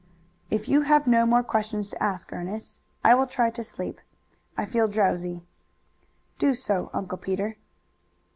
"If you have no more questions to ask, Ernest, I will try to sleep. I feel drowsy." "Do so, Uncle Peter."